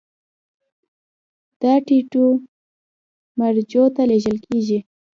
دا ټیټو مرجعو ته لیږل کیږي.